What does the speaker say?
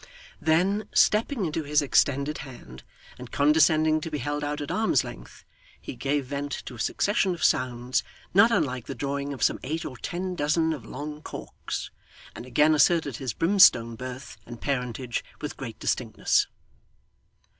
Then, stepping into his extended hand, and condescending to be held out at arm's length, he gave vent to a succession of sounds, not unlike the drawing of some eight or ten dozen of long corks, and again asserted his brimstone birth and parentage with great distinctness.